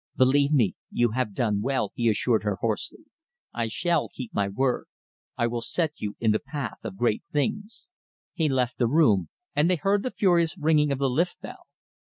"Believe me, you have done well," he assured her hoarsely. "I shall keep my word. I will set you in the path of great things." He left the room, and they heard the furious ringing of the lift bell.